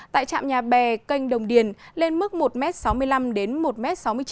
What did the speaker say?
tại trạm nhà bè kênh đồng điền lên mức một m sáu mươi năm đến một m sáu mươi chín